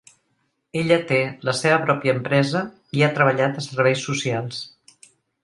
Ella té la seva pròpia empresa i ha treballat a serveis socials.